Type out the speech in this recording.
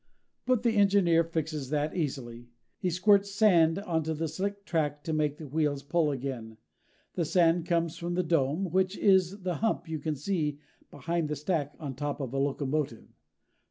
But the engineer fixes that easily. He squirts sand onto the slick track to make the wheels pull again. The sand comes from the dome, which is the hump you can see behind the stack on top of a locomotive.